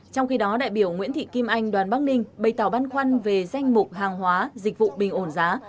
trong khi đó đại biểu nguyễn thị kim anh đoàn bắc ninh bày tỏ băn khoăn về danh mục hàng hóa dịch vụ bình ổn giá